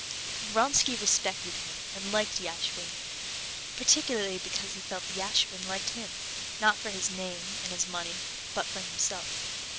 Vronsky respected and liked Yashvin particularly because he felt Yashvin liked him, not for his name and his money, but for himself.